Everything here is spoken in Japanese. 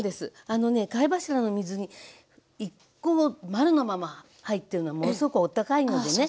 あのね貝柱の水煮１コ丸のまま入ってるのはものすごくお高いのでね。